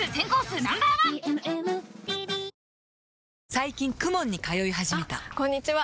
最近 ＫＵＭＯＮ に通い始めたあこんにちは！